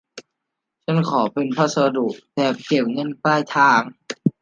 ฉันขอเป็นพัสดุแบบเก็บเงินปลายทาง